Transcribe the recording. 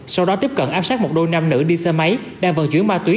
sau đó tiếp cận áp sát một đôi nam nữ đi xe máy đang vận chuyển ma túy